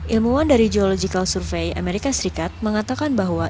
ilmuwan dari geological survey amerika serikat mengatakan bahwa